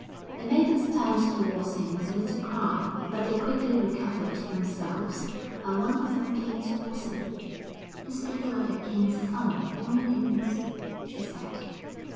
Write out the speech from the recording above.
The maidens turned towards him with a little cry, but they quickly recovered themselves and one of them came towards him. 'You speak like a king's son, oh youth!' she said.